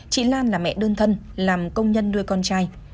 chị lan là mẹ đơn thân làm công nhân nuôi con trai